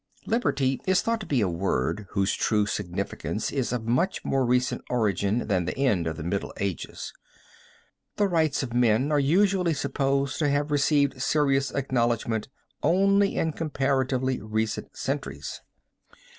Liberty is thought to be a word whose true significance is of much more recent origin than the end of the Middle Ages. The rights of men are usually supposed to have received serious acknowledgment only in comparatively recent centuries.